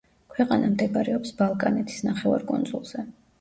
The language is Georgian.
ქვეყანა მდებარეობს ბალკანეთის ნახევარკუნძულზე.